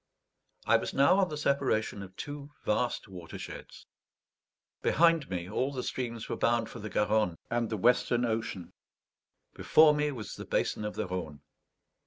I was now on the separation of two vast watersheds; behind me all the streams were bound for the Garonne and the Western Ocean; before me was the basin of the Rhone.